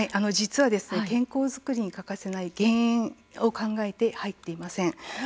健康作りに欠かせない減塩を考えて入っていません。